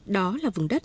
đó là vùng đất